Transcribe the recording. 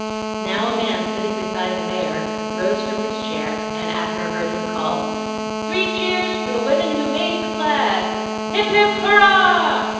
Now a man sitting beside the mayor rose from his chair and Abner heard him call: "Three cheers for the women who made the flag!" "HIP, HIP, HURRAH!"